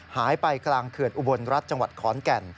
หายไปกลางเขื่อนอุบลรัฐจังหวัดขอนแก่น